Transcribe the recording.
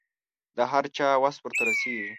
د هر چا وس ورته رسېږي.